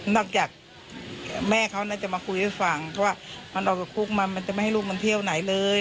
จากแม่เขาน่าจะมาคุยให้ฟังเพราะว่ามันออกจากคุกมามันจะไม่ให้ลูกมันเที่ยวไหนเลย